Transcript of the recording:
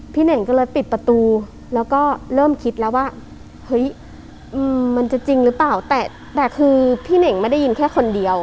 เน่งก็เลยปิดประตูแล้วก็เริ่มคิดแล้วว่าเฮ้ยมันจะจริงหรือเปล่าแต่คือพี่เน่งไม่ได้ยินแค่คนเดียว